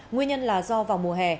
nguyên nhân là do vào mùa hè